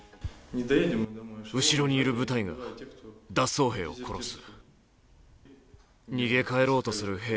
後ろにいる部隊が脱走兵を殺す。